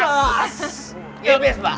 ya bes pak